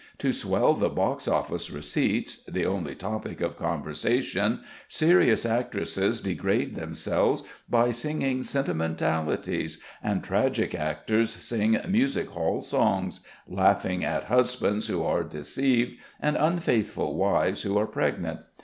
To swell the box office receipts the only topic of conversation serious actresses degrade themselves by singing sentimentalities, and tragic actors sing music hall songs, laughing at husbands who are deceived and unfaithful wives who are pregnant.